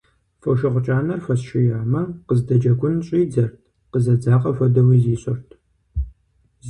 Фошыгъу кӀанэр хуэсшиямэ, къыздэджэгун щӀидзэрт, къызэдзакъэ хуэдэуи зищӀырт.